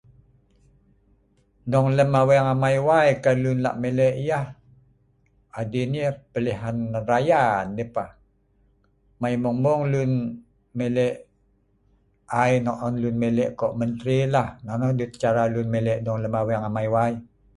Dong lem a’weng amei y, kai lun lak melek yeh .Adin yeh pilihan raya. Nyeh peh. Mei mung- mung lun melek ai nok on, lun melek kok menteri lah. Nonah dut cara lun melek lem aweng amei y